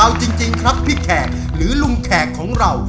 เอาจริงครับพี่แขกหรือลุงแขกของเรา